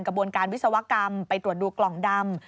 กระบวนการวิศวกรรมไปตรวจดูกล่องดำ